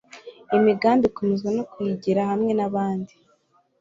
imigambi ikomezwa no kuyigira hamwe n'abandi